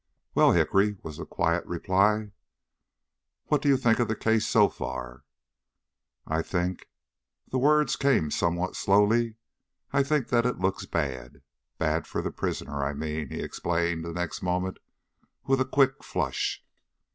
"Well, Hickory?" was the quiet reply. "What do you think of the case so far?" "I think" the words came somewhat slowly "I think that it looks bad. Bad for the prisoner, I mean," he explained the next moment with a quick flush.